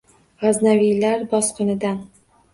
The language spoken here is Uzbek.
Gʼaznaviylar bosqinidan